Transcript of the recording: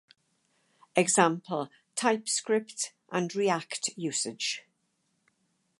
example TypeScript and React usage